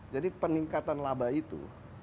jadi peningkatan laba itu